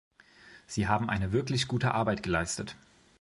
Sie haben eine wirklich gute Arbeit geleistet.